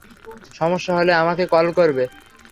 সমস্যা হলে আমাকে কল করবে।